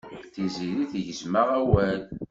Tiziri tegzem-aɣ awal.